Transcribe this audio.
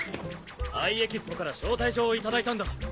Ｉ・エキスポから招待状を頂いたんだ。